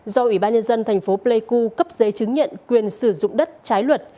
do ủy ban nhân dân tp pleiku cấp giấy chứng nhận quyền sử dụng đất trái luật